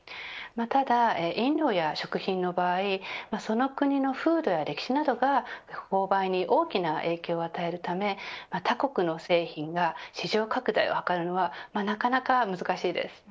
ただ飲料や食品の場合その国の風土や歴史などが購買に大きな影響を与えるため他国の製品が市場拡大を図るのはなかなか難しいです。